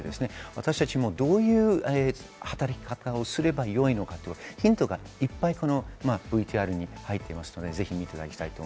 私たちも、どういう働き方をすれば良いのか、ヒントがいっぱい、このＶＴＲに入っていますので、ぜひ見てください。